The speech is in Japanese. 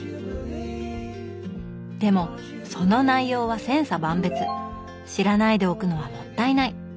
でもその内容は千差万別知らないでおくのはもったいない。